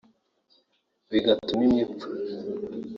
bigatuma imwe ipfa